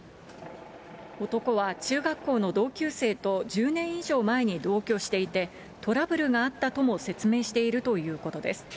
男は中学校の同級生と１０年以上前に同居していて、トラブルがあったとも説明しているということです。